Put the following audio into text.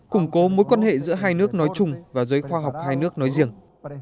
củng cố mối quan hệ giữa hai nước nói chung và giới khoa học hai nước nói riêng